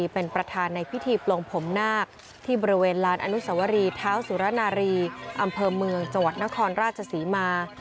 เป็นประธานในพิธีปลงผมนาคที่บริเวณลานอนุสวรีเท้าสุรนารีอำเภอเมืองจังหวัดนครราชศรีมา